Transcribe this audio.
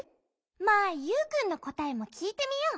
まあユウくんのこたえもきいてみよう。